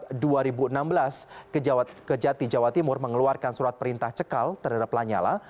pada tanggal delapan belas maret dua ribu enam belas kejati jawa timur mengeluarkan surat perintah cekal terhadap lanyala